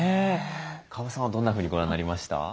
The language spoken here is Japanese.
川端さんはどんなふうにご覧になりました？